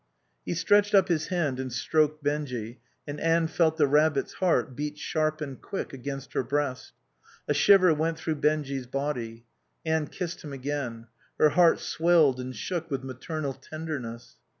He stretched up his hand and stroked Benjy, and Anne felt the rabbit's heart beat sharp and quick against her breast. A shiver went through Benjy's body. Anne kissed him again. Her heart swelled and shook with maternal tenderness.